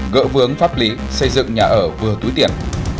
gỡ vướng pháp lý xây dựng nhà ở vừa túi tiền